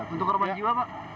untuk korban jiwa pak